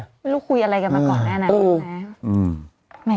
ไม่รู้คุยอะไรกันมาก่อนแน่